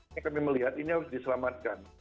ini kami melihat ini harus diselamatkan